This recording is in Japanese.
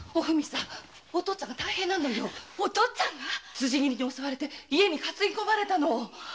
辻斬りに襲われて家にかつぎ込まれたの。